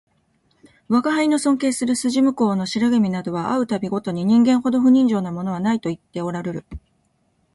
吾輩の尊敬する筋向こうの白君などは会う度毎に人間ほど不人情なものはないと言っておらるる